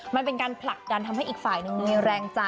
มันเป็นการผลักดันทำให้อีกฝ่ายหนึ่งมีแรงใจ